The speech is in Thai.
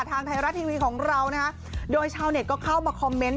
ทางไทยรัฐทีวีของเรานะฮะโดยชาวเน็ตก็เข้ามาคอมเมนต์